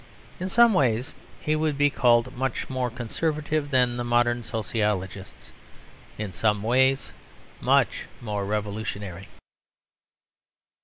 In some ways he would be called much more conservative than the modern sociologists, in some ways much more revolutionary.